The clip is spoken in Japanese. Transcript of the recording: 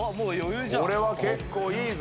これは結構いいぞ。